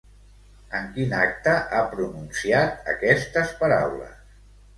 En quin acte ha pronunciat aquestes paraules?